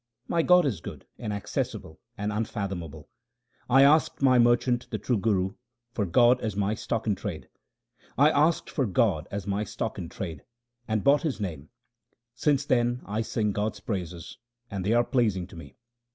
My God is good, inaccessible, and unfathomable. I asked my merchant, the true Guru, for God as my stock in trade : I asked for God as my stock in trade and bought His name ; since then I sing God's praises and they are pleasing to me.